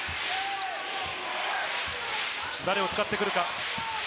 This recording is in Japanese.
誰を使ってくるか。